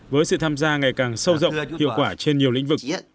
với sự tham gia ngày càng sâu rộng hiệu quả trên nhiều lĩnh vực